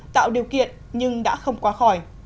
tạo điều kiện nhưng đã không qua khỏi